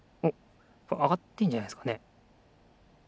あがってんじゃないですかね？